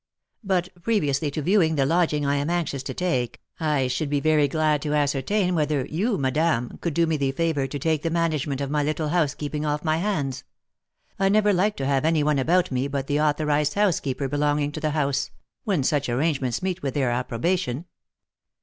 But, previously to viewing the lodging I am anxious to take, I should be very glad to ascertain whether you, madame, could do me the favour to take the management of my little housekeeping off my hands? I never like to have any one about me but the authorised housekeeper belonging to the house, when such arrangements meet with their approbation."